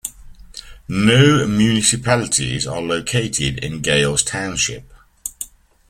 No municipalities are located in Gales Township.